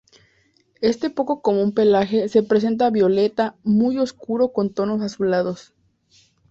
Este poco común pelaje se presenta violeta muy oscuro con tonos azulados.